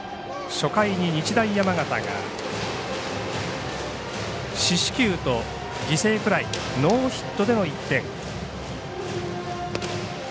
初回に日大山形が四死球と犠牲フライ、ノーヒットでの１点。